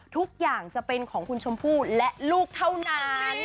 ทุกอย่างจะเป็นของคุณชมพู่และลูกเท่านั้น